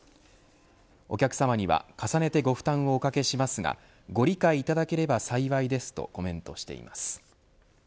お客様には重ねてご負担をおかけしますがご理解いただければ幸いですとコメントしています。